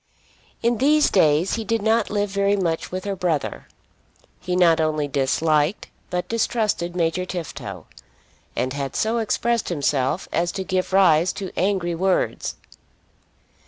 In these days he did not live very much with her brother. He not only disliked, but distrusted Major Tifto, and had so expressed himself as to give rise to angry words.